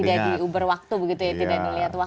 tidak diuber waktu begitu ya